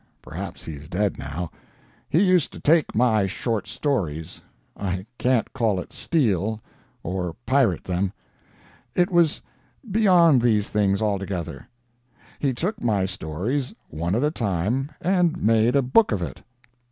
Perhaps he's dead now. He used to take my short stories—I can't call it steal or pirate them. It was beyond these things altogether. He took my stories one at a time and made a book of it.